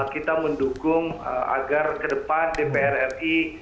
kita mendukung agar ke depan dpr ri